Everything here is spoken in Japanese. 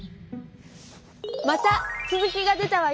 またつづきが出たわよ。